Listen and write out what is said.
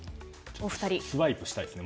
スワイプしたいですね